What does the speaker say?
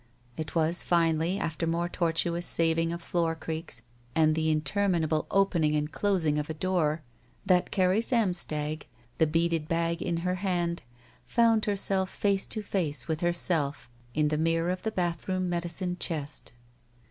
It was finally after more tortuous saving of floor creaks and the interminable opening and closing of a door that Carrie Samstag, the beaded bag in her hand, found herself face to face with herself in the mirror of the bathroom medicine chest.